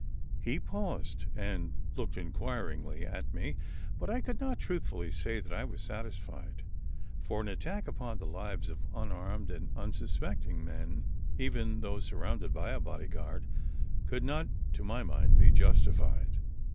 He paused and looked inquiringly at me; but I could not truthfully say that I was satisfied, for an attack upon the lives of unarmed and unsuspecting men, even though surrounded by a bodyguard, could not, to my mind, be justified.